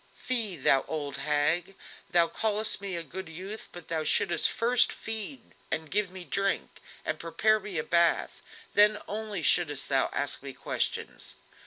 "Fie, thou old hag! thou call'st me a good youth, but thou shouldst first feed and give me drink, and prepare me a bath, then only shouldst thou ask me questions."